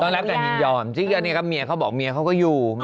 ต้องรับการยินยอมอันนี้ก็เมียเขาบอกเมียเขาก็อยู่